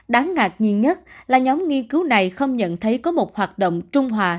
đáng ngạc nhiên nhất là nhóm nghiên cứu này không nhận thấy có một hoạt động trung hòa